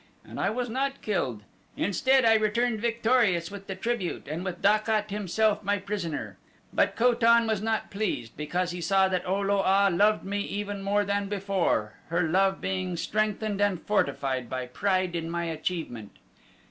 And I was not killed. Instead I returned victorious with the tribute and with Dak at himself my prisoner; but Ko tan was not pleased because he saw that O lo a loved me even more than before, her love being strengthened and fortified by pride in my achievement.